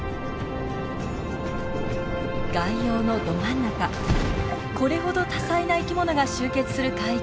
外洋のど真ん中これほど多彩な生きものが集結する海域は